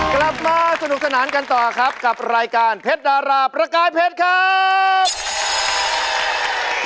กลับมาสนุกสนานกันต่อครับกับรายการเพชรดาราประกายเพชรครับ